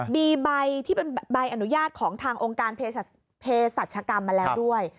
มีใบที่เป็นใบอนุญาตของทางองค์การเพศรัชกรรมมาแล้วด้วย